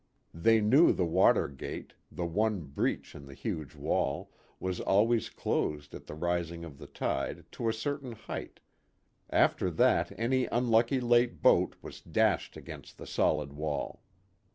They knew the water gate, the one breach in the huge wall, was always closed at the rising of the tide to a certain height after that any unlucky late boat was dashed against the solid wall.